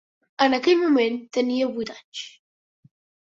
En aquell moment tenia vuit anys.